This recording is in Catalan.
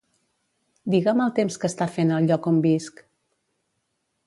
Digue'm el temps que està fent al lloc on visc.